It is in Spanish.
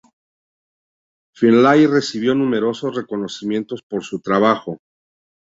Finlay recibió numerosos reconocimientos por su trabajo.